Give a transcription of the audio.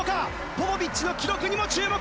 ポポビッチの記録にも注目。